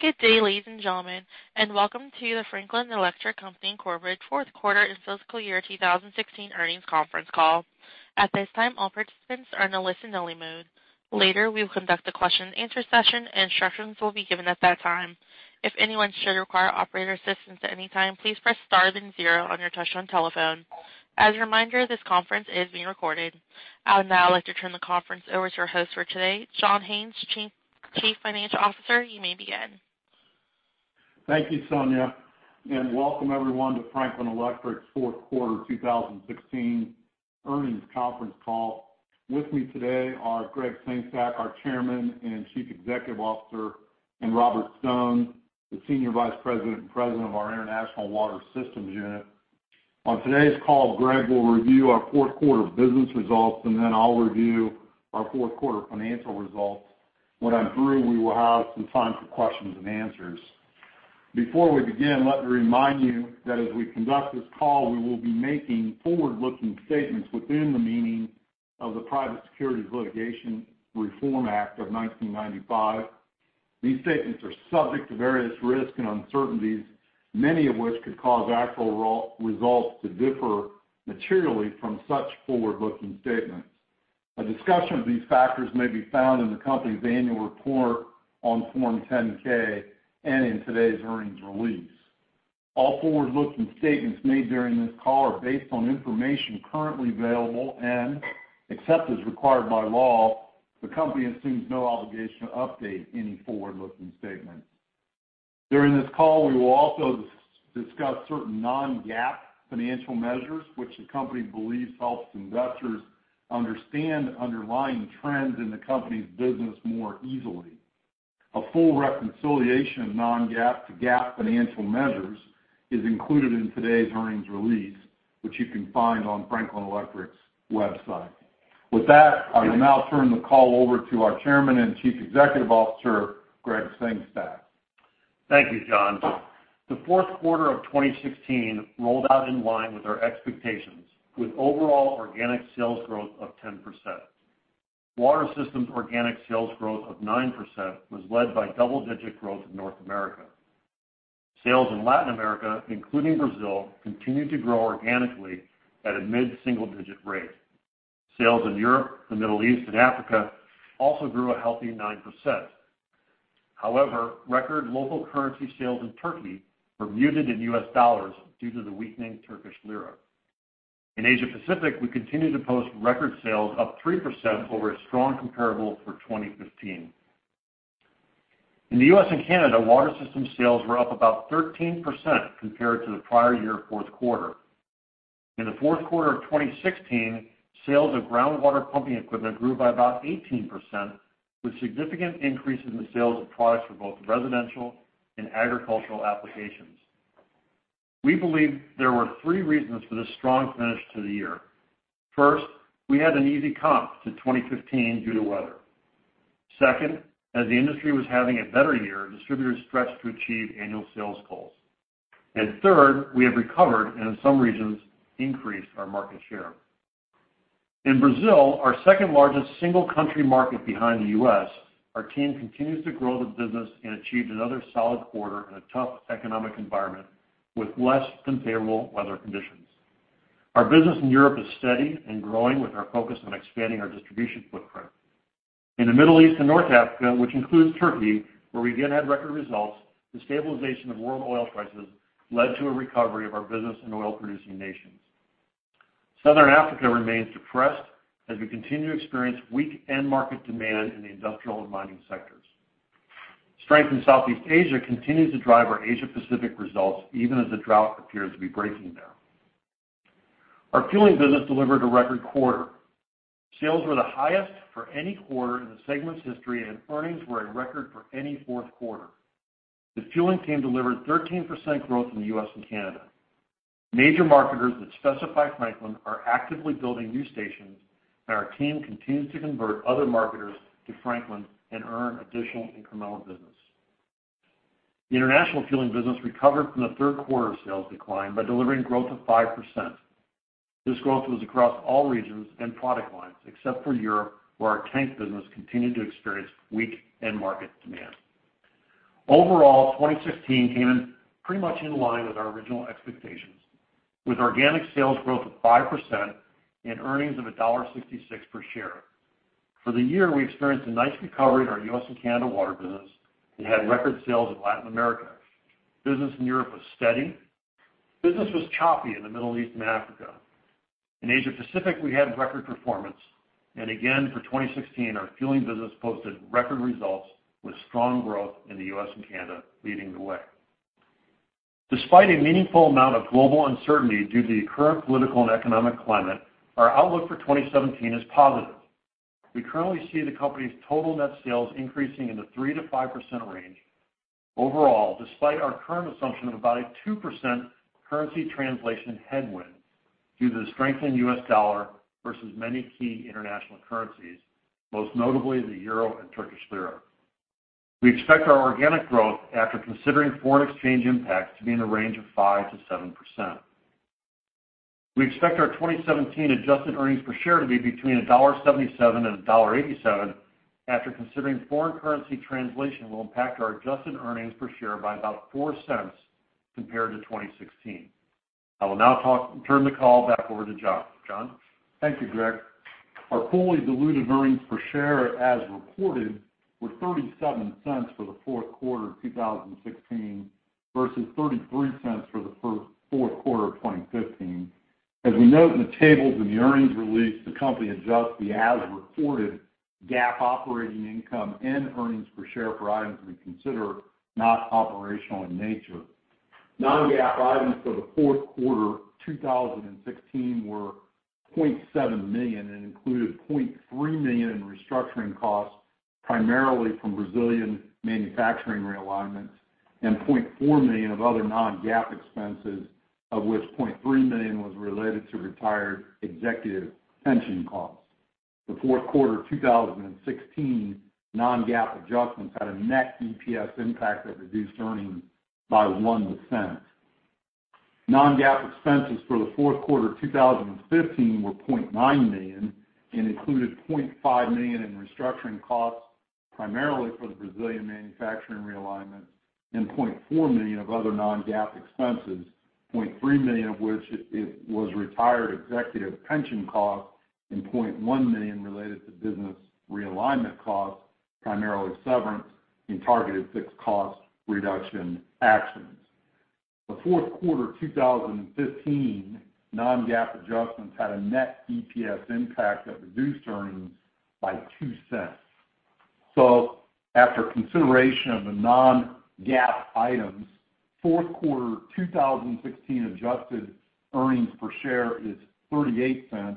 Good day, ladies, and gentlemen, and welcome to the Franklin Electric Company Corporate Fourth Quarter and Fiscal Year 2016 Earnings Conference Call. At this time, all participants are in a listen-only mode. Later, we will conduct a question-and-answer session, and instructions will be given at that time. If anyone should require operator assistance at any time, please press star, then zero on your touchtone telephone. As a reminder, this conference is being recorded. I would now like to turn the conference over to our host for today, John Haines, Chief Financial Officer. You may begin. Thank you, Sonia, and welcome everyone to Franklin Electric's Fourth Quarter 2016 Earnings Conference Call. With me today are Gregg Sengstack, our Chairman and Chief Executive Officer, and Robert Stone, the Senior Vice President and President of our International Water Systems unit. On today's call, Gregg will review our fourth quarter business results, and then I'll review our fourth quarter financial results. When I'm through, we will have some time for questions and answers. Before we begin, let me remind you that as we conduct this call, we will be making forward-looking statements within the meaning of the Private Securities Litigation Reform Act of 1995. These statements are subject to various risks and uncertainties, many of which could cause actual results to differ materially from such forward-looking statements. A discussion of these factors may be found in the company's annual report on Form 10-K and in today's earnings release. All forward-looking statements made during this call are based on information currently available, and except as required by law, the company assumes no obligation to update any forward-looking statement. During this call, we will also discuss certain non-GAAP financial measures, which the company believes helps investors understand underlying trends in the company's business more easily. A full reconciliation of non-GAAP to GAAP financial measures is included in today's earnings release, which you can find on Franklin Electric's website. With that, I will now turn the call over to our Chairman and Chief Executive Officer, Gregg Sengstack. Thank you, John. The fourth quarter of 2016 rolled out in line with our expectations, with overall organic sales growth of 10%. Water Systems organic sales growth of 9% was led by double-digit growth in North America. Sales in Latin America, including Brazil, continued to grow organically at a mid-single-digit rate. Sales in Europe, the Middle East, and Africa also grew a healthy 9%. However, record local currency sales in Turkey were muted in U.S. dollars due to the weakening Turkish lira. In Asia Pacific, we continued to post record sales, up 3% over a strong comparable for 2015. In the U.S. and Canada, Water System sales were up about 13% compared to the prior year fourth quarter. In the fourth quarter of 2016, sales of groundwater pumping equipment grew by about 18%, with significant increases in the sales of products for both residential and agricultural applications. We believe there were three reasons for this strong finish to the year. First, we had an easy comp to 2015 due to weather. Second, as the industry was having a better year, distributors stretched to achieve annual sales goals. And third, we have recovered and in some regions, increased our market share. In Brazil, our second-largest single-country market behind the U.S., our team continues to grow the business and achieved another solid quarter in a tough economic environment with less-than-favorable weather conditions. Our business in Europe is steady and growing, with our focus on expanding our distribution footprint. In the Middle East and North Africa, which includes Turkey, where we again had record results, the stabilization of world oil prices led to a recovery of our business in oil-producing nations. Southern Africa remains depressed as we continue to experience weak end-market demand in the industrial and mining sectors. Strength in Southeast Asia continues to drive our Asia Pacific results, even as the drought appears to be breaking there. Our fueling business delivered a record quarter. Sales were the highest for any quarter in the segment's history, and earnings were a record for any fourth quarter. The fueling team delivered 13% growth in the U.S. and Canada. Major marketers that specify Franklin are actively building new stations, and our team continues to convert other marketers to Franklin and earn additional incremental business. The international fueling business recovered from the third quarter sales decline by delivering growth of 5%. This growth was across all regions and product lines, except for Europe, where our tank business continued to experience weak end-market demand. Overall, 2016 came in pretty much in line with our original expectations, with organic sales growth of 5% and earnings of $1.66 per share. For the year, we experienced a nice recovery in our U.S. and Canada water business and had record sales in Latin America. Business in Europe was steady. Business was choppy in the Middle East and Africa. In Asia Pacific, we had record performance, and again, for 2016, our fueling business posted record results with strong growth in the U.S. and Canada leading the way. Despite a meaningful amount of global uncertainty due to the current political and economic climate, our outlook for 2017 is positive. We currently see the company's total net sales increasing in the 3%-5% range. Overall, despite our current assumption of about a 2% currency translation headwind due to the strengthened U.S. dollar versus many key international currencies, most notably the euro and Turkish lira, we expect our organic growth after considering foreign exchange impacts, to be in a range of 5%-7%... We expect our 2017 adjusted earnings per share to be between $1.77-$1.87, after considering foreign currency translation will impact our adjusted earnings per share by about $0.04 compared to 2016. I will now turn the call back over to John. John? Thank you, Gregg. Our fully diluted earnings per share, as reported, were $0.37 for the fourth quarter of 2016 versus $0.33 for the fourth quarter of 2015. As we note in the tables in the earnings release, the company adjusts the as-reported GAAP operating income and earnings per share for items we consider not operational in nature. Non-GAAP items for the fourth quarter 2016 were $0.7 million and included $0.3 million in restructuring costs, primarily from Brazilian manufacturing realignments, and $0.4 million of other non-GAAP expenses, of which $0.3 million was related to retired executive pension costs. The fourth quarter of 2016 non-GAAP adjustments had a net EPS impact that reduced earnings by $0.01. Non-GAAP expenses for the fourth quarter of 2015 were $0.9 million and included $0.5 million in restructuring costs, primarily for the Brazilian manufacturing realignment, and $0.4 million of other non-GAAP expenses, $0.3 million of which was retired executive pension costs, and $0.1 million related to business realignment costs, primarily severance and targeted fixed cost reduction actions. The fourth quarter 2015 non-GAAP adjustments had a net EPS impact that reduced earnings by $0.02. So after consideration of the non-GAAP items, fourth quarter 2016 adjusted earnings per share is $0.38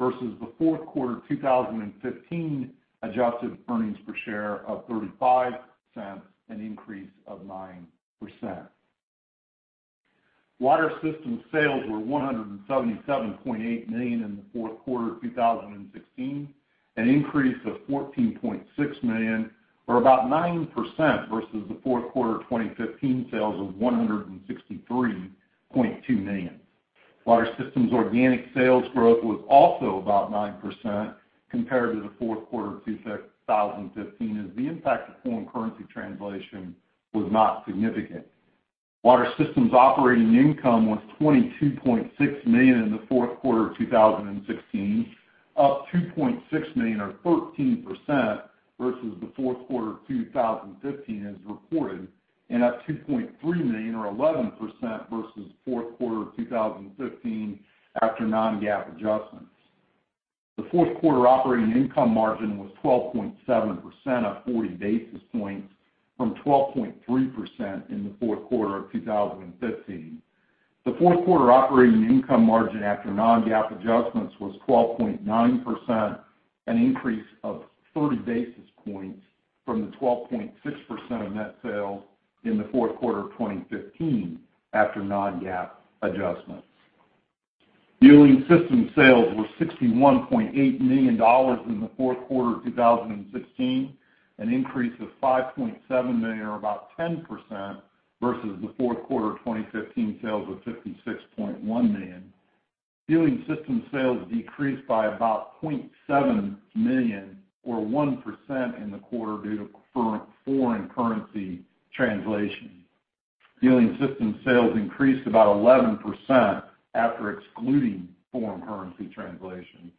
versus the fourth quarter 2015 adjusted earnings per share of $0.35, an increase of 9%. Water Systems sales were $177.8 million in the fourth quarter of 2016, an increase of $14.6 million, or about 9% versus the fourth quarter of 2015 sales of $163.2 million. Water Systems organic sales growth was also about 9% compared to the fourth quarter of 2015, as the impact of foreign currency translation was not significant. Water Systems operating income was $22.6 million in the fourth quarter of 2016, up $2.6 million or 13% versus the fourth quarter of 2015 as reported, and up $2.3 million or 11% versus fourth quarter of 2015 after non-GAAP adjustments. The fourth quarter operating income margin was 12.7%, up forty basis points from 12.3% in the fourth quarter of 2015. The fourth quarter operating income margin after non-GAAP adjustments was 12.9%, an increase of 30 basis points from the 12.6% of net sales in the fourth quarter of 2015 after non-GAAP adjustments. Fueling Systems sales were $61.8 million in the fourth quarter of 2016, an increase of $5.7 million, or about 10%, versus the fourth quarter of 2015 sales of $56.1 million. Fueling Systems sales decreased by about $0.7 million, or 1%, in the quarter due to foreign currency translation. Fueling Systems sales increased about 11% after excluding foreign currency translation.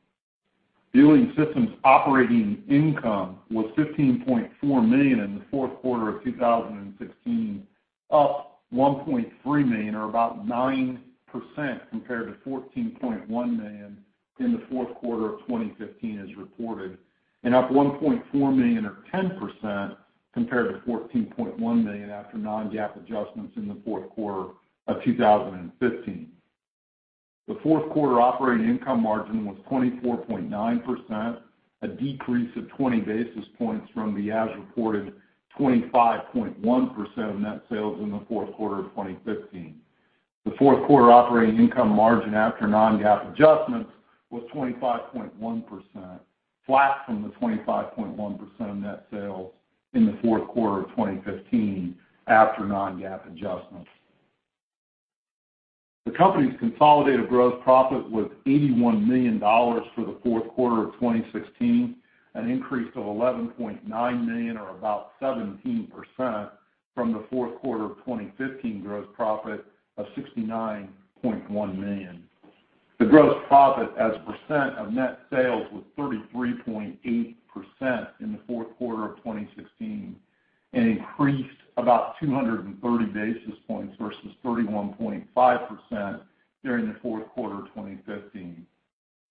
Fueling Systems operating income was $15.4 million in the fourth quarter of 2016, up $1.3 million, or about 9%, compared to $14.1 million in the fourth quarter of 2015 as reported, and up $1.4 million, or 10%, compared to $14.1 million after non-GAAP adjustments in the fourth quarter of 2015. The fourth quarter operating income margin was 24.9%, a decrease of 20 basis points from the as-reported 25.1% of net sales in the fourth quarter of 2015. The fourth quarter operating income margin after non-GAAP adjustments was 25.1%, flat from the 25.1% of net sales in the fourth quarter of 2015 after non-GAAP adjustments. The company's consolidated gross profit was $81 million for the fourth quarter of 2016, an increase of $11.9 million, or about 17%, from the fourth quarter of 2015 gross profit of $69.1 million. The gross profit as a percent of net sales was 33.8% in the fourth quarter of 2016 and increased about 230 basis points versus 31.5% during the fourth quarter of 2015.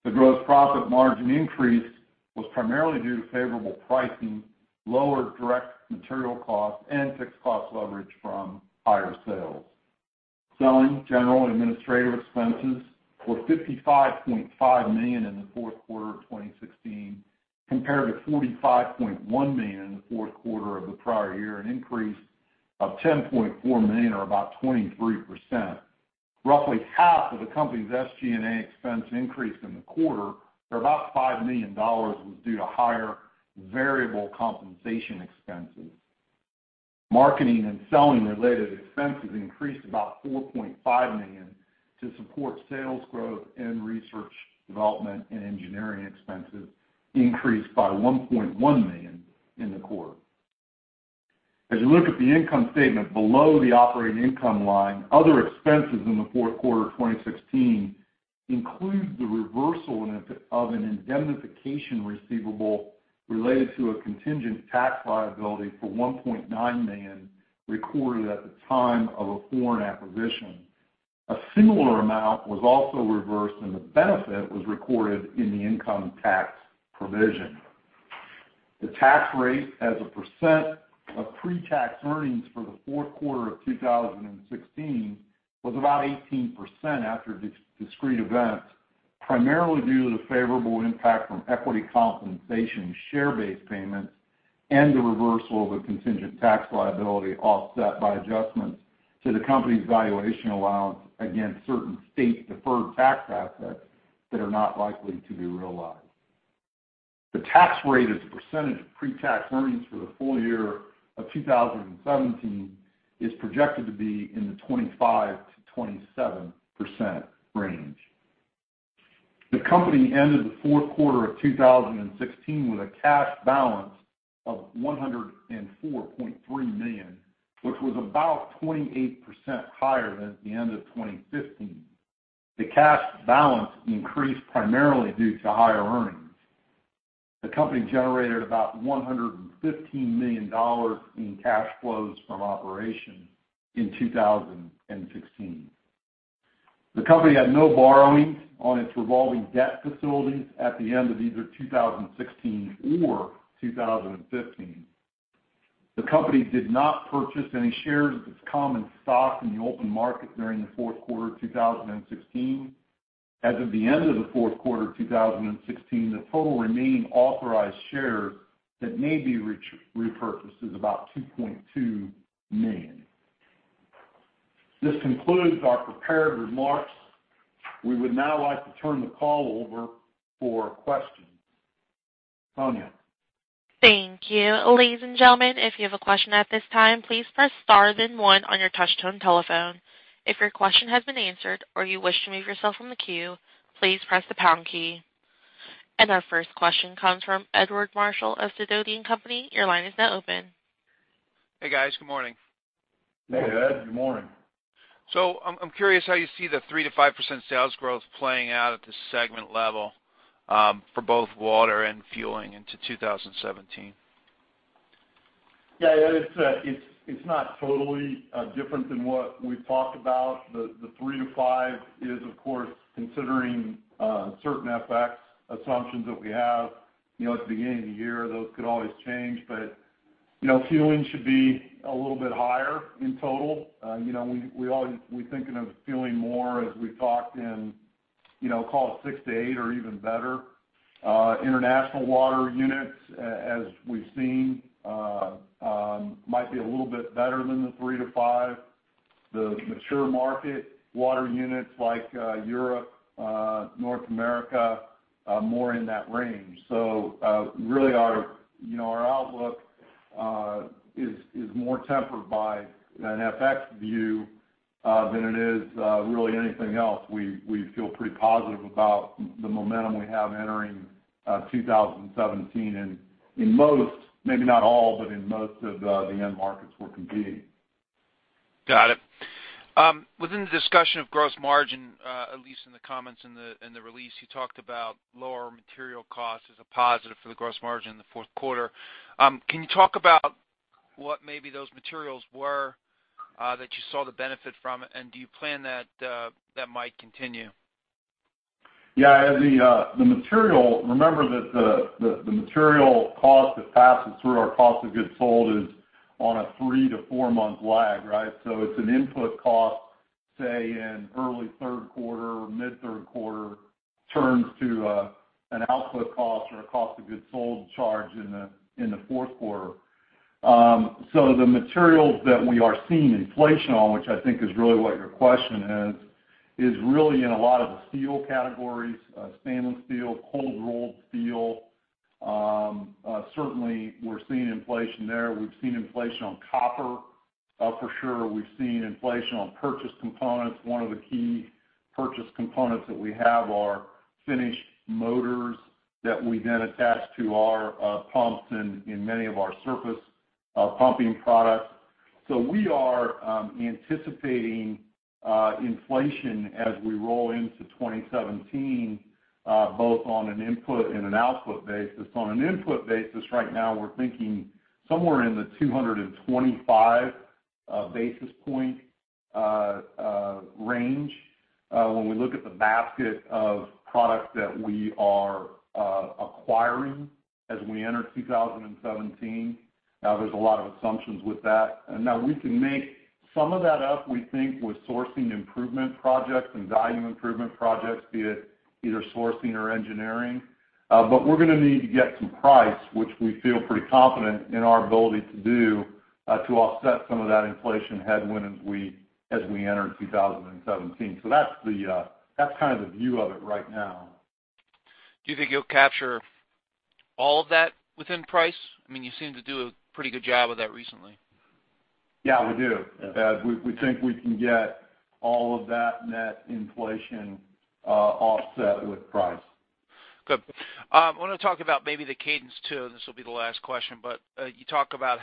The gross profit margin increase was primarily due to favorable pricing, lower direct material costs, and fixed cost leverage from higher sales. Selling, general, and administrative expenses were $55.5 million in the fourth quarter of 2016, compared to $45.1 million in the fourth quarter of the prior year, an increase of $10.4 million, or about 23%. Roughly half of the company's SG&A expense increase in the quarter, or about $5 million, was due to higher variable compensation expenses. Marketing and selling-related expenses increased about $4.5 million to support sales growth, and research, development, and engineering expenses increased by $1.1 million in the quarter. As you look at the income statement below the operating income line, other expenses in the fourth quarter of 2016 include the reversal of an indemnification receivable related to a contingent tax liability for $1.9 million, recorded at the time of a foreign acquisition. A similar amount was also reversed, and the benefit was recorded in the income tax provision. The tax rate as a percent of pretax earnings for the fourth quarter of 2016 was about 18% after discrete events, primarily due to the favorable impact from equity compensation, share-based payments, and the reversal of the contingent tax liability, offset by adjustments to the company's valuation allowance against certain state deferred tax assets that are not likely to be realized. The tax rate as a percentage of pretax earnings for the full year of 2017 is projected to be in the 25%-27% range. The company ended the fourth quarter of 2016 with a cash balance of $104.3 million, which was about 28% higher than at the end of 2015. The cash balance increased primarily due to higher earnings. The company generated about $115 million in cash flows from operations in 2016. The company had no borrowings on its revolving debt facilities at the end of either 2016 or 2015. The company did not purchase any shares of its common stock in the open market during the fourth quarter of 2016. As of the end of the fourth quarter of 2016, the total remaining authorized shares that may be repurchased is about 2.2 million. This concludes our prepared remarks. We would now like to turn the call over for questions. Sonia? Thank you. Ladies, and gentlemen, if you have a question at this time, please press star, then one on your touch-tone telephone. If your question has been answered or you wish to remove yourself from the queue, please press the pound key. Our first question comes from Edward Marshall of Sidoti & Company. Your line is now open. Hey, guys. Good morning. Hey, Ed, good morning. I'm curious how you see the 3%-5% sales growth playing out at the segment level for both water and fueling into 2017. Yeah, Ed, it's not totally different than what we've talked about. The 3%-5% is, of course, considering certain FX assumptions that we have. You know, at the beginning of the year, those could always change, but, you know, fueling should be a little bit higher in total. You know, we're thinking of fueling more as we talked in, you know, call it 6%-8% or even better. International water units, as we've seen, might be a little bit better than the 3%-5%. The mature market water units, like Europe, North America, more in that range. So, really, our outlook is more tempered by an FX view than it is really anything else. We feel pretty positive about the momentum we have entering 2017, and in most, maybe not all, but in most of the end markets we're competing. Got it. Within the discussion of gross margin, at least in the comments in the release, you talked about lower material costs as a positive for the gross margin in the fourth quarter. Can you talk about what maybe those materials were, that you saw the benefit from, and do you plan that that might continue? Yeah, Ed, the material—remember that the material cost that passes through our cost of goods sold is on a three- to four-month lag, right? So it's an input cost, say, in early third quarter or mid-third quarter, turns to an output cost or a cost of goods sold charge in the fourth quarter. So the materials that we are seeing inflation on, which I think is really what your question is, is really in a lot of the steel categories, stainless steel, cold rolled steel. Certainly, we're seeing inflation there. We've seen inflation on copper, for sure. We've seen inflation on purchase components. One of the key purchase components that we have are finished motors that we then attach to our pumps and in many of our surface pumping products. So we are anticipating inflation as we roll into 2017, both on an input and an output basis. On an input basis, right now, we're thinking somewhere in the 225 basis point range, when we look at the basket of products that we are acquiring as we enter 2017. Now, there's a lot of assumptions with that. Now we can make some of that up, we think, with sourcing improvement projects and value improvement projects, be it either sourcing or engineering. But we're gonna need to get some price, which we feel pretty confident in our ability to do, to offset some of that inflation headwind as we enter 2017. So that's kind of the view of it right now.... Do you think you'll capture all of that within price? I mean, you seem to do a pretty good job of that recently. Yeah, we do. We think we can get all of that net inflation offset with price. Good. I wanna talk about maybe the cadence, too, and this will be the last question. But, you talk about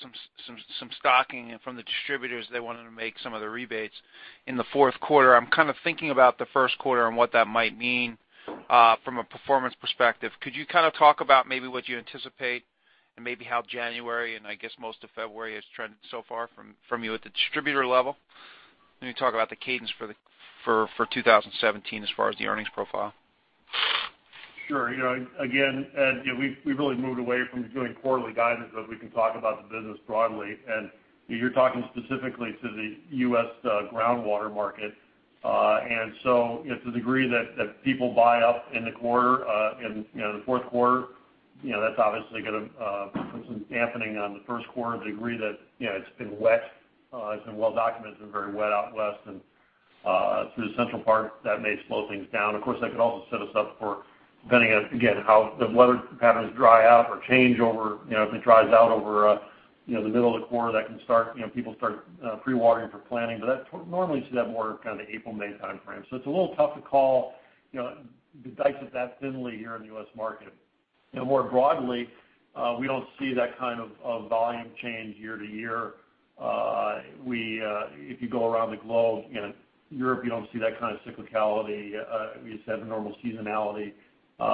some stocking and from the distributors, they wanted to make some of the rebates in the fourth quarter. I'm kind of thinking about the first quarter and what that might mean, from a performance perspective. Could you kind of talk about maybe what you anticipate and maybe how January and I guess, most of February has trended so far from you at the distributor level? Let me talk about the cadence for 2017 as far as the earnings profile. Sure. You know, again, Ed, you know, we've really moved away from doing quarterly guidance, but we can talk about the business broadly. You're talking specifically to the U.S. groundwater market. And so to the degree that people buy up in the quarter, in, you know, the fourth quarter, you know, that's obviously gonna put some dampening on the first quarter. The degree that, you know, it's been wet, it's been well documented and very wet out west and, through the central part, that may slow things down. Of course, that could also set us up for, depending on, again, how the weather patterns dry out or change over. You know, if it dries out over, you know, the middle of the quarter, that can start, you know, people start pre-watering for planting. But normally, you see that more in the kind of April, May timeframe. So it's a little tough to call, you know, to slice that thin here in the U.S. market. You know, more broadly, we don't see that kind of volume change year-to-year. If you go around the globe, you know, in Europe, you don't see that kind of cyclicality. We just have a normal seasonality.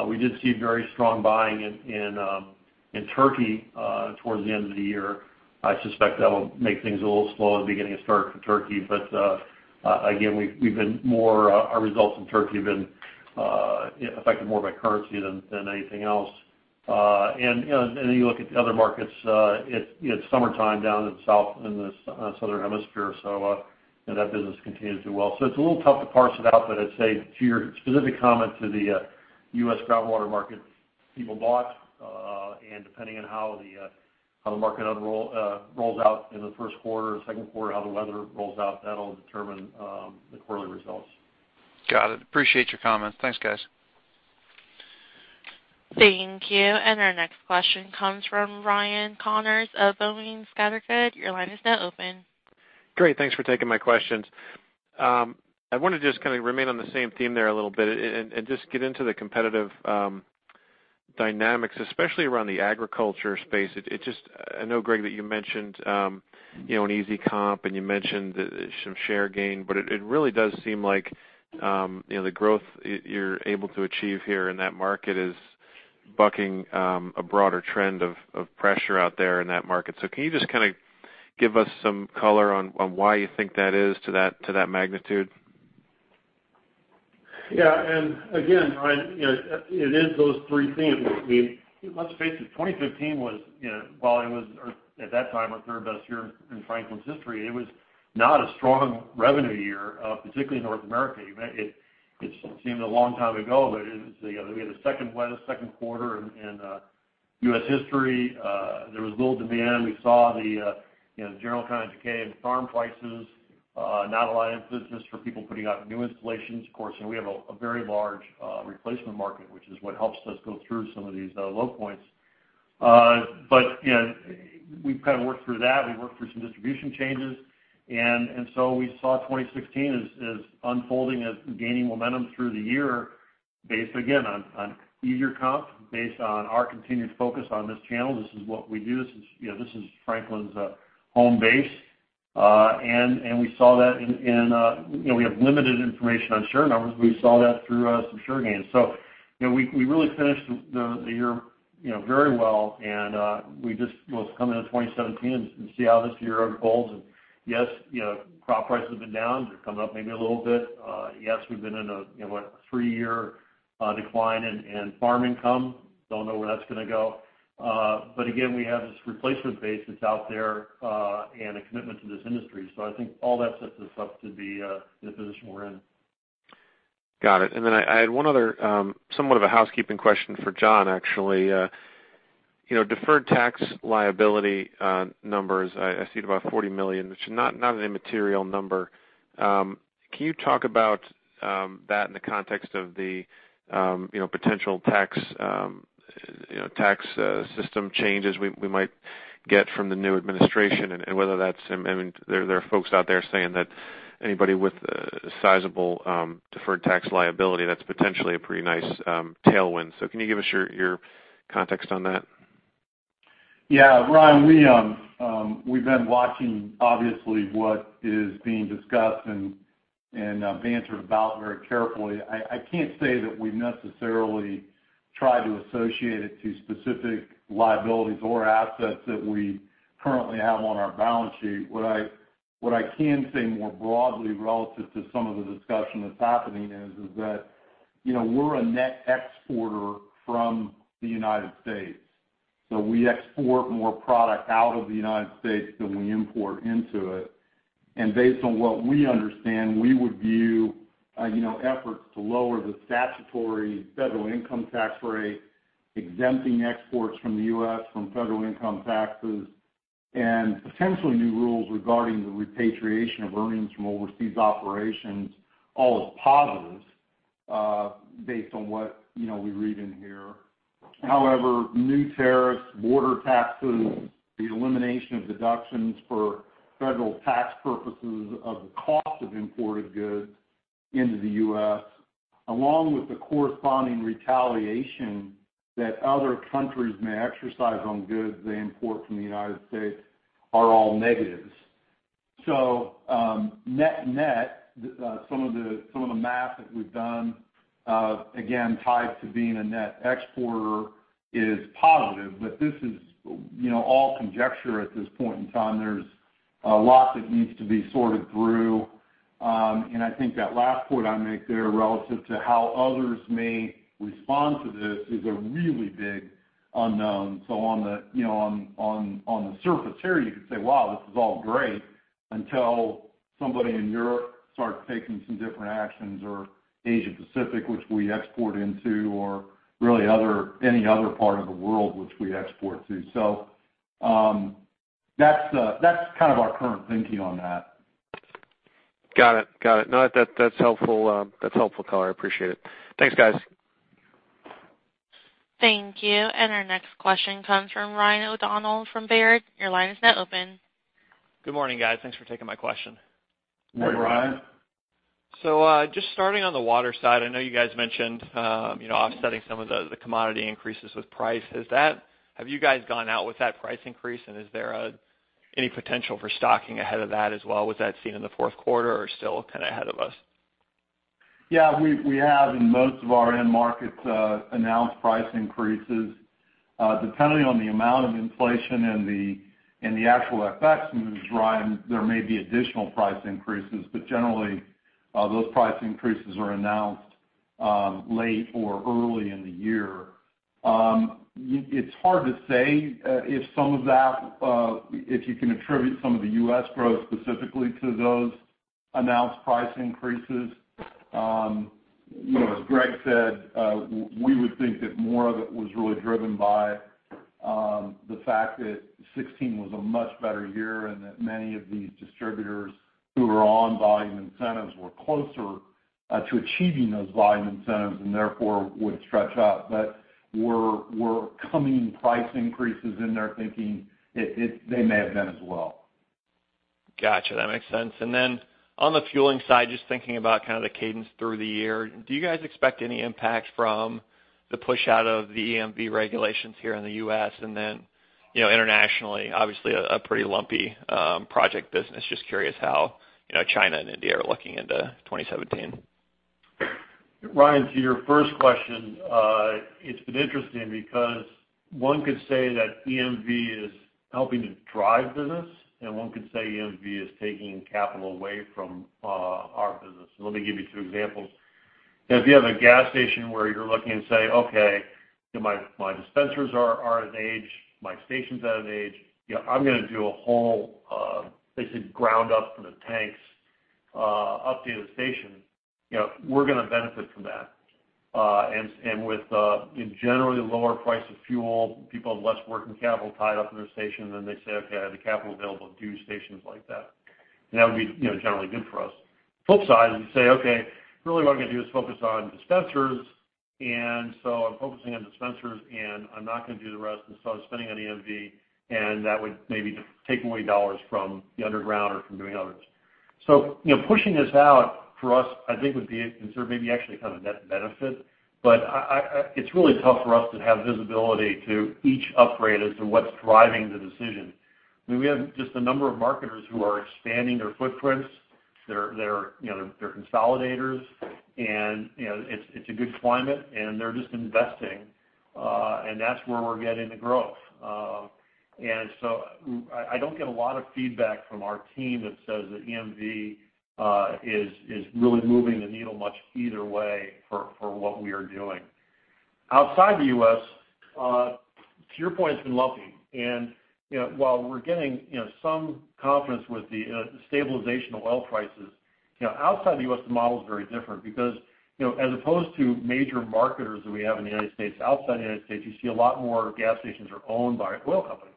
We did see very strong buying in Turkey towards the end of the year. I suspect that'll make things a little slow at the beginning of start for Turkey. But again, we've been more, our results in Turkey have been affected more by currency than anything else. You know, and then you look at the other markets, it's summertime down in the south, in the southern hemisphere, so you know, that business continues to do well. So it's a little tough to parse it out, but I'd say to your specific comment to the U.S. groundwater market, people bought and depending on how the market rolls out in the first quarter or second quarter, how the weather rolls out, that'll determine the quarterly results. Got it. Appreciate your comments. Thanks, guys. Thank you. Our next question comes from Ryan Connors of Boenning & Scattergood. Your line is now open. Great, thanks for taking my questions. I wanna just kind of remain on the same theme there a little bit and just get into the competitive dynamics, especially around the agriculture space. It just, I know, Gregg, that you mentioned you know, an easy comp, and you mentioned some share gain. But it really does seem like you know, the growth you're able to achieve here in that market is bucking a broader trend of pressure out there in that market. So can you just kind of give us some color on why you think that is to that magnitude? Yeah, and again, Ryan, you know, it is those three things. I mean, let's face it, 2015 was, you know, while it was or at that time, our third best year in Franklin's history, it was not a strong revenue year, particularly in North America. It seemed a long time ago, but it, you know, we had the second wettest second quarter in U.S. history. There was little demand. We saw the, you know, general kind of decay in farm prices, not a lot of business for people putting out new installations. Of course, you know, we have a very large replacement market, which is what helps us go through some of these low points. But, you know, we've kind of worked through that. We've worked through some distribution changes, and so we saw 2016 as unfolding, as gaining momentum through the year, based again on easier comp, based on our continued focus on this channel. This is what we do. This is, you know, this is Franklin's home base. And we saw that. You know, we have limited information on share numbers. We saw that through some share gains. So, you know, we really finished the year, you know, very well, and we just, well, let's come into 2017 and see how this year unfolds. And yes, you know, crop prices have been down. They're coming up maybe a little bit. Yes, we've been in a, you know, what, three-year decline in farm income. Don't know where that's gonna go. But again, we have this replacement base that's out there, and a commitment to this industry. So I think all that sets us up to be in the position we're in. Got it. And then I had one other somewhat of a housekeeping question for John, actually. You know, deferred tax liability numbers, I see it about $40 million, which is not an immaterial number. Can you talk about that in the context of the you know, potential tax you know, tax system changes we might get from the new administration, and whether that's, I mean, there are folks out there saying that anybody with a sizable deferred tax liability, that's potentially a pretty nice tailwind. So can you give us your context on that? Yeah, Ryan, we've been watching, obviously, what is being discussed and bantered about very carefully. I can't say that we necessarily try to associate it to specific liabilities or assets that we currently have on our balance sheet. What I can say more broadly, relative to some of the discussion that's happening, is that, you know, we're a net exporter from the U.S. So we export more product out of the U.S. than we import into it. And based on what we understand, we would view, you know, efforts to lower the statutory federal income tax rate, exempting exports from the U.S. from federal income taxes and potentially new rules regarding the repatriation of earnings from overseas operations, all is positive, based on what, you know, we read in here. However, new tariffs, border taxes, the elimination of deductions for federal tax purposes of the cost of imported goods into the U.S., along with the corresponding retaliation that other countries may exercise on goods they import from the U.S., are all negatives. Net-net, some of the math that we've done, again, tied to being a net exporter is positive, but this is, you know, all conjecture at this point in time. There's a lot that needs to be sorted through. I think that last point I make there relative to how others may respond to this is a really big unknown. So on the, you know, on the surface here, you could say, wow, this is all great, until somebody in Europe starts taking some different actions, or Asia Pacific, which we export into, or really other, any other part of the world which we export to. So, that's, that's kind of our current thinking on that. Got it. Got it. No, that, that's helpful. That's helpful color. I appreciate it. Thanks, guys. Thank you. And our next question comes from Ryan O'Donnell from Baird. Your line is now open. Good morning, guys. Thanks for taking my question. Good morning, Ryan. So, just starting on the water side, I know you guys mentioned, you know, offsetting some of the commodity increases with price. Have you guys gone out with that price increase, and is there any potential for stocking ahead of that as well? Was that seen in the fourth quarter or still kind of ahead of us? Yeah, we have, in most of our end markets, announced price increases. Depending on the amount of inflation and the actual effects, Ryan, there may be additional price increases, but generally, those price increases are announced late or early in the year. It's hard to say if you can attribute some of the U.S. growth specifically to those announced price increases. You know, as Gregg said, we would think that more of it was really driven by the fact that 2016 was a much better year, and that many of these distributors who were on volume incentives were closer to achieving those volume incentives, and therefore would stretch out. But coming price increases in their thinking, they may have been as well. Gotcha, that makes sense. And then on the fueling side, just thinking about kind of the cadence through the year, do you guys expect any impact from the push out of the EMV regulations here in the U.S.? And then, you know, internationally, obviously a pretty lumpy, project business. Just curious how, you know, China and India are looking into 2017. Ryan, to your first question, it's been interesting because one could say that EMV is helping to drive business, and one could say EMV is taking capital away from our business. So let me give you two examples. If you have a gas station where you're looking and say, "Okay, my dispensers are at an age, my station's at an age, you know, I'm gonna do a whole basically ground up from the tanks update of the station," you know, we're gonna benefit from that. And with generally lower price of fuel, people have less working capital tied up in their station, then they say, "Okay, I have the capital available to do stations like that." And that would be, you know, generally good for us. Flip side is you say, "Okay, really what I'm gonna do is focus on dispensers, and so I'm focusing on dispensers, and I'm not gonna do the rest. And so I'm spending on EMV," and that would maybe take away dollars from the underground or from doing others. So, you know, pushing this out for us, I think, would be... There may be actually kind of a net benefit, but I, it's really tough for us to have visibility to each upgrade as to what's driving the decision. We have just a number of marketers who are expanding their footprints, they're, you know, they're consolidators, and, you know, it's a good climate, and they're just investing, and that's where we're getting the growth. And so I don't get a lot of feedback from our team that says that EMV is really moving the needle much either way for what we are doing. Outside the U.S., to your point, it's been lumpy. And, you know, while we're getting, you know, some confidence with the stabilization of oil prices, you know, outside the U.S., the model is very different. Because, you know, as opposed to major marketers that we have in the U.S., outside the U.S., you see a lot more gas stations are owned by oil companies.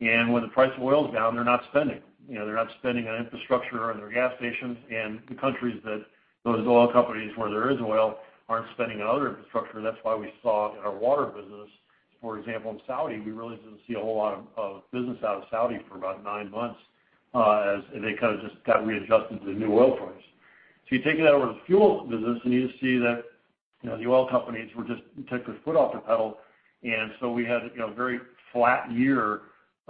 And when the price of oil is down, they're not spending, you know, they're not spending on infrastructure or on their gas stations. And the countries that those oil companies, where there is oil, aren't spending on other infrastructure. That's why we saw in our water business, for example, in Saudi, we really didn't see a whole lot of business out of Saudi for about nine months, as they kind of just got readjusted to the new oil price. So you take that over to the fuel business, and you see that, you know, the oil companies just took their foot off the pedal, and so we had, you know, a very flat year,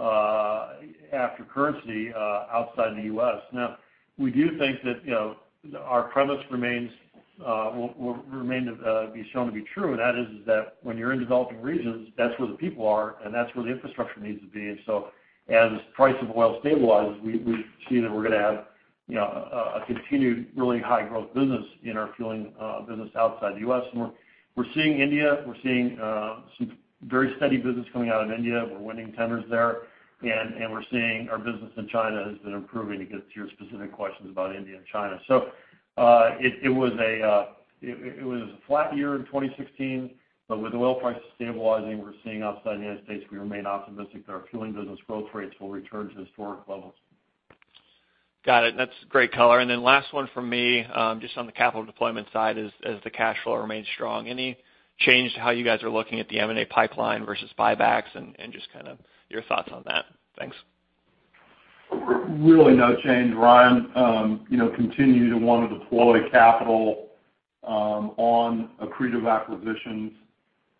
after currency, outside the U.S. Now, we do think that, you know, our premise remains, will remain to be shown to be true, and that is that when you're in developing regions, that's where the people are, and that's where the infrastructure needs to be. And so as the price of oil stabilizes, we see that we're gonna have, you know, a continued really high growth business in our fueling business outside the U.S. And we're seeing India, we're seeing some very steady business coming out of India. We're winning tenders there, and we're seeing our business in China has been improving to get to your specific questions about India and China. So, it was a flat year in 2016, but with the oil prices stabilizing, we're seeing outside the U.S., we remain optimistic that our fueling business growth rates will return to historic levels.... Got it. That's great color. And then last one from me, just on the capital deployment side, as the cash flow remains strong, any change to how you guys are looking at the M&A pipeline versus buybacks and just kind of your thoughts on that? Thanks. Really no change, Ryan. You know, continue to want to deploy capital on accretive acquisitions.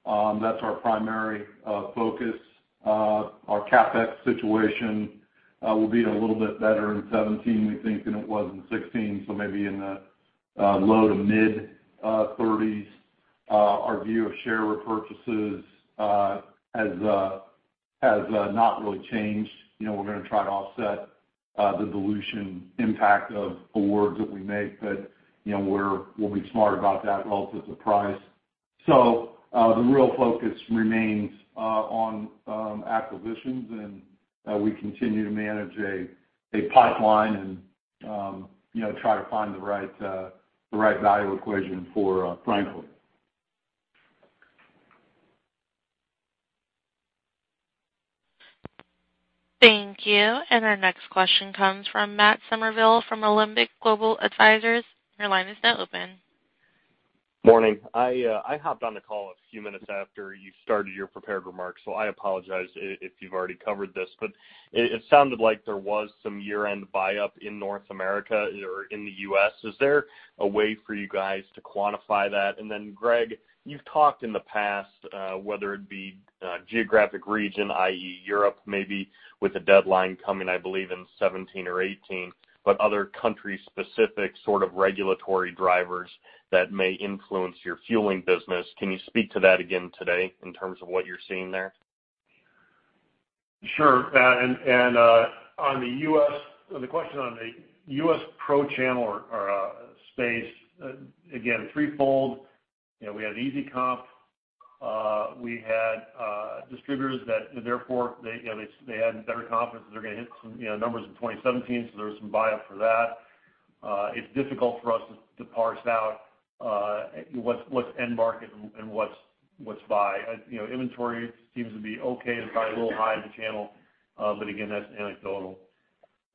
That's our primary focus. Our CapEx situation will be a little bit better in 2017, we think, than it was in 2016, so maybe in the low to mid-thirties. Our view of share repurchases has not really changed. You know, we're gonna try to offset the dilution impact of awards that we make, but, you know, we'll be smart about that relative to price. So, the real focus remains on acquisitions, and we continue to manage a pipeline and, you know, try to find the right the right value equation for Franklin. Thank you. Our next question comes from Matt Summerville from Alembic Global Advisors. Your line is now open. Morning. I hopped on the call a few minutes after you started your prepared remarks, so I apologize if you've already covered this, but it sounded like there was some year-end buy-up in North America or in the U.S. Is there a way for you guys to quantify that? And then, Gregg, you've talked in the past whether it be geographic region, i.e., Europe, maybe with a deadline coming, I believe, in 2017 or 2018, but other country-specific sort of regulatory drivers that may influence your fueling business. Can you speak to that again today in terms of what you're seeing there? Sure, and, on the U.S.... The question on the U.S. pro channel or space, again, threefold. You know, we had easy comp, we had distributors that therefore, they, you know, they had better confidence that they're gonna hit some, you know, numbers in 2017, so there was some buyup for that. It's difficult for us to parse out, what's end market and what's buy. You know, inventory seems to be okay and probably a little high in the channel, but again, that's anecdotal.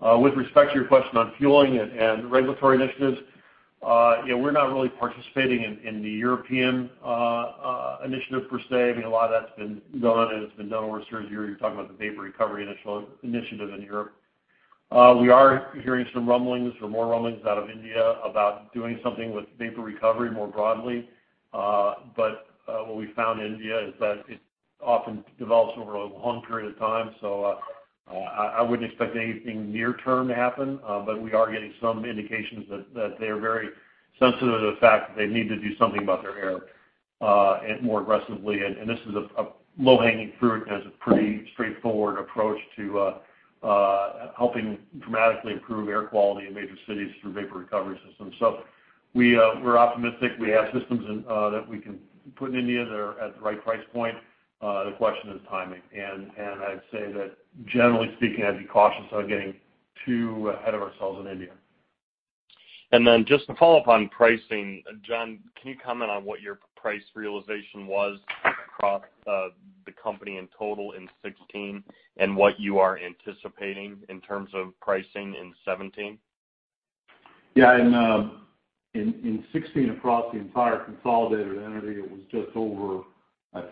With respect to your question on fueling and regulatory initiatives, you know, we're not really participating in the European initiative per se. I mean, a lot of that's been done, and it's been done over a series of years. You're talking about the vapor recovery initiative in Europe. We are hearing some rumblings or more rumblings out of India about doing something with vapor recovery more broadly. But what we found in India is that it often develops over a long period of time. So I wouldn't expect anything near term to happen, but we are getting some indications that they are very sensitive to the fact that they need to do something about their air, and more aggressively. And this is a low-hanging fruit and has a pretty straightforward approach to helping dramatically improve air quality in major cities through vapor recovery systems. So we're optimistic. We have systems that we can put in India that are at the right price point. The question is timing. I'd say that generally speaking, I'd be cautious about getting too ahead of ourselves in India. Just to follow-up on pricing, John, can you comment on what your price realization was across the company in total in 2016, and what you are anticipating in terms of pricing in 2017? Yeah, in 2016, across the entire consolidated entity, it was just over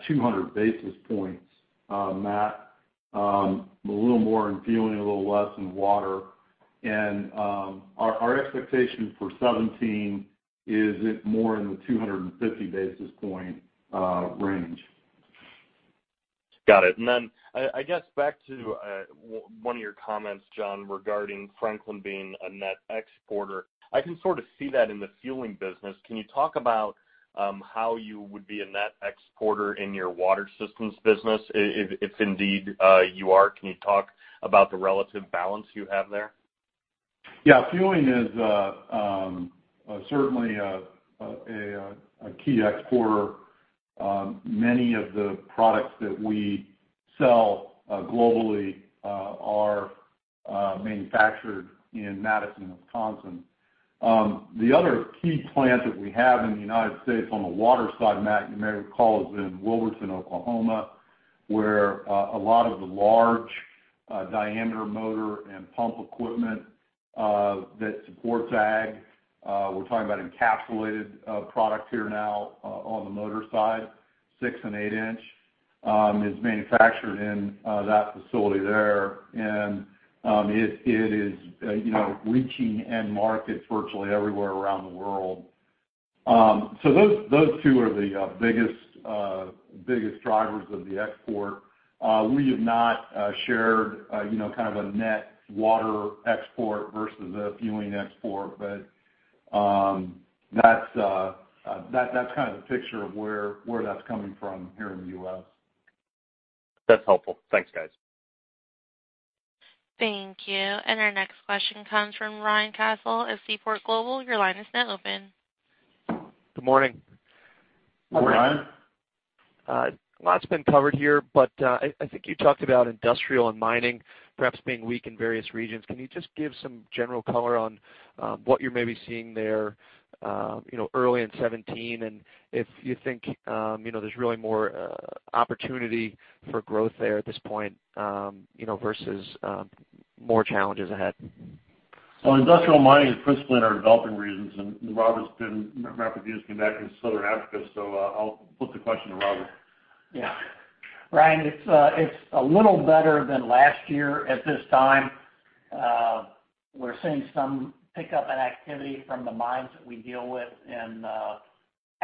200 basis points, Matt. A little more in fueling, a little less in water. Our expectation for 2017 is it more in the 250 basis point range. Got it. And then I guess back to one of your comments, John, regarding Franklin being a net exporter. I can sort of see that in the fueling business. Can you talk about how you would be a net exporter in your Water Systems business, if indeed you are? Can you talk about the relative balance you have there? Yeah, fueling is certainly a key exporter. Many of the products that we sell globally are manufactured in Madison, Wisconsin. The other key plant that we have in the U.S. on the water side, Matt, you may recall, is in Wilburton, Oklahoma, where a lot of the large diameter motor and pump equipment that supports ag, we're talking about encapsulated product here now on the motor side, 6- and 8-inch is manufactured in that facility there. And it is, you know, reaching end markets virtually everywhere around the world. So those two are the biggest drivers of the export. We have not shared, you know, kind of a net water export versus a fueling export, but that's kind of the picture of where that's coming from here in the U.S. That's helpful. Thanks, guys. Thank you. And our next question comes from Ryan Cassil at Seaport Global. Your line is now open. Good morning. Morning, Ryan. A lot's been covered here, but I think you talked about industrial and mining perhaps being weak in various regions. Can you just give some general color on what you're maybe seeing there, you know, early in 2017, and if you think, you know, there's really more opportunity for growth there at this point, you know, versus more challenges ahead? Well, industrial and mining, principally, are developing regions, and Robert's been back in Southern Africa, so I'll put the question to Robert. Yeah. Ryan, it's, it's a little better than last year at this time. We're seeing some pickup in activity from the mines that we deal with in,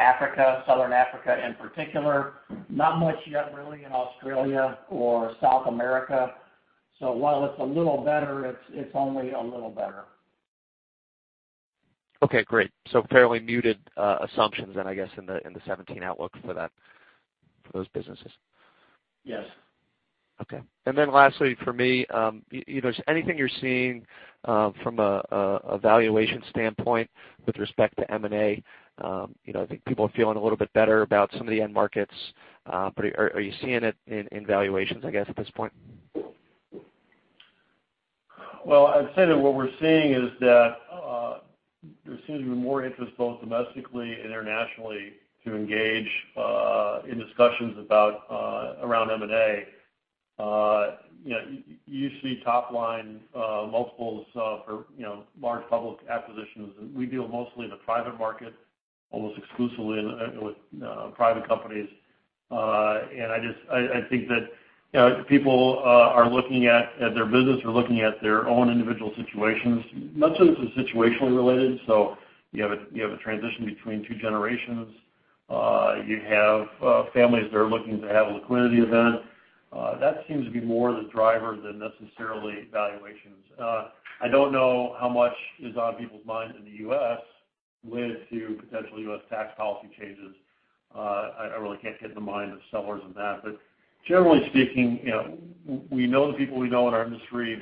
Africa, Southern Africa, in particular. Not much yet, really, in Australia or South America. So while it's a little better, it's, it's only a little better. Okay, great. So fairly muted assumptions then, I guess, in the, in the 2017 outlook for that, for those businesses? Yes. Okay. And then lastly, for me, you know, is anything you're seeing from a valuation standpoint with respect to M&A? You know, I think people are feeling a little bit better about some of the end markets, but are you seeing it in valuations, I guess, at this point? Well, I'd say that what we're seeing is that, there seems to be more interest, both domestically and internationally, to engage, in discussions about, around M&A. You know, you see top-line multiples, for, you know, large public acquisitions. We deal mostly in the private market, almost exclusively in, with, private companies. And I just, I think that, you know, people, are looking at, their business, are looking at their own individual situations. Much of this is situationally related, so you have a, you have a transition between two generations. You have, families that are looking to have a liquidity event. That seems to be more the driver than necessarily valuations. I don't know how much is on people's minds in the U.S. with to potential U.S. tax policy changes. I really can't get in the mind of sellers on that. But generally speaking, you know, we know the people we know in our industry.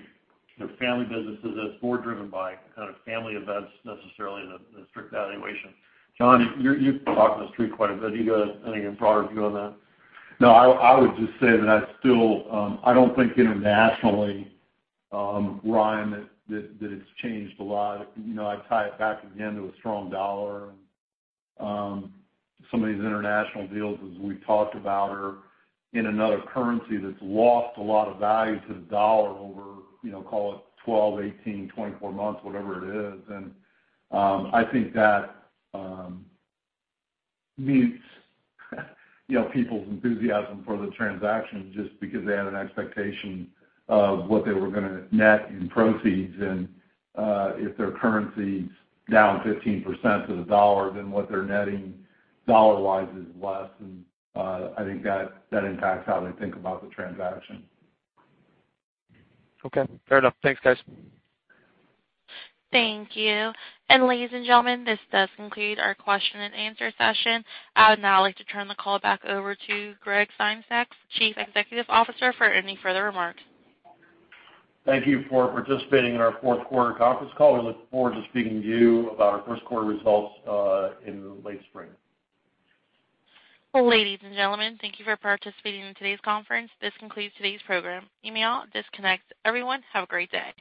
They're family businesses, that's more driven by kind of family events necessarily than strict valuation. John, you've talked to the street quite a bit. Do you got anything, any broader view on that? No, I would just say that I still, I don't think internationally, Ryan, that it's changed a lot. You know, I'd tie it back again to a strong dollar. Some of these international deals, as we've talked about, are in another currency that's lost a lot of value to the dollar over, you know, call it 12, 18, 24 months, whatever it is. And, I think that means, you know, people's enthusiasm for the transaction, just because they had an expectation of what they were gonna net in proceeds. And, I think that impacts how they think about the transaction. Okay. Fair enough. Thanks, guys. Thank you. Ladies, and gentlemen, this does conclude our question-and-answer session. I would now like to turn the call back over to Gregg Sengstack, Chief Executive Officer, for any further remarks. Thank you for participating in our fourth quarter conference call. We look forward to speaking to you about our first quarter results, in late spring. Ladies, and gentlemen, thank you for participating in today's conference. This concludes today's program. You may all disconnect. Everyone, have a great day.